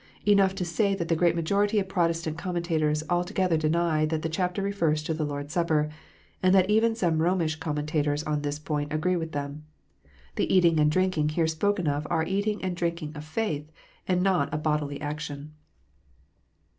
Enough to say that the great majority of Protestant commentators altogether deny that the chapter refers to the Lord s Supper, and that even some Romish commentators on this point agree with them. The eating and drinking here spoken of are the eating and drinking of faith, and not a bodily action.